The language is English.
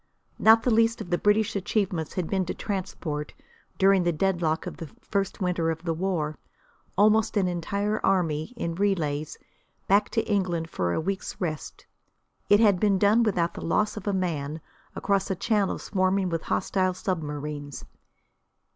Not the least of the British achievements had been to transport, during the deadlock of the first winter of the war, almost the entire army, in relays, back to England for a week's rest. It had been done without the loss of a man, across a channel swarming with hostile submarines.